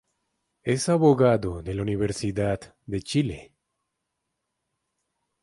Es abogado de la Universidad de Chile.